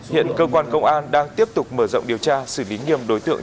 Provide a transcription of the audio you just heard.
hiện cơ quan công an đang tiếp tục mở rộng điều tra xử lý nghiêm đối tượng